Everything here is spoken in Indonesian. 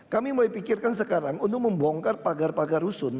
kami mulai pikirkan sekarang untuk membongkar pagar pagar rusun